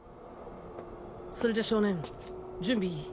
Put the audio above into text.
それじゃ少年準備いい？